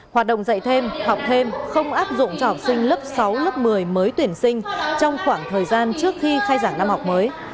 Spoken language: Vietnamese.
hoạt động dạy thêm học thêm không áp dụng cho học sinh lớp sáu lớp một mươi mới tuyển sinh trong khoảng thời gian trước khi khai giảng năm học mới